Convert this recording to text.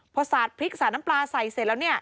พอสาดพริกสาดน้ำปลาใส่เสร็จแล้วเนี่ย